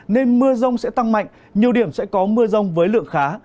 nên mưa rông sẽ tăng mạnh nhiều điểm sẽ có mưa rông với lượng khá